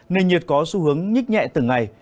nên nhiệt có xu hướng nhích nhẹ từng ngày